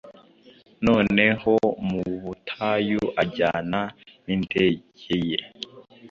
Noneho mu butayu ajyana nindege ye